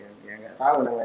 hanya ketika ada orang